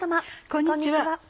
こんにちは。